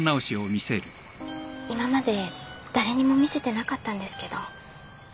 今まで誰にも見せてなかったんですけど。